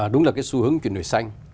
đúng là cái xu hướng chuyển đổi xanh